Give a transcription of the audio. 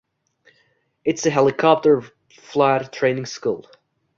It is a helicopter flight training school.